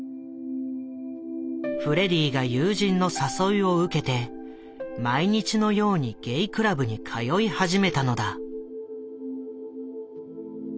フレディが友人の誘いを受けて毎日のようにゲイクラブに通い始めたのだ。